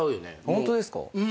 ホントですか？